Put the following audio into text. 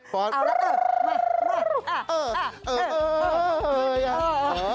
เอาแล้วเออเออเออเออเออ